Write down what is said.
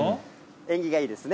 縁起がいいですね。